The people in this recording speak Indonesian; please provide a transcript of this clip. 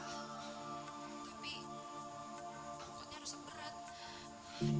tapi angkotnya rusak berat